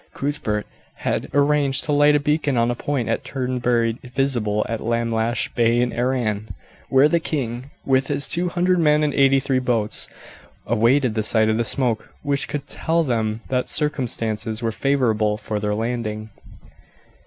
Cuthbert had arranged to light a beacon on a point at Turnberry visible at Lamlash Bay in Arran, where the king, with his two hundred men and eighty three boats, awaited the sight of the smoke which should tell them that circumstances were favourable for their landing.